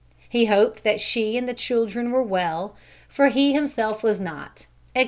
He hoped that she and the children were well, for he himself was not; etc.